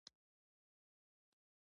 هغه الوتکه خو همدا یوه دقیقه مخکې والوتله.